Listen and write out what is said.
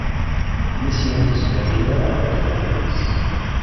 Inisi ur d-isbanay ara taqadumt-is.